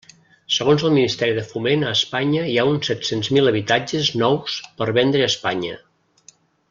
Segons el Ministeri de Foment a Espanya hi ha uns set-cents mil habitatges nous per vendre a Espanya.